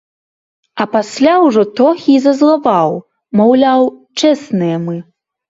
А пасля ўжо трохі і зазлаваў, маўляў, чэсныя мы.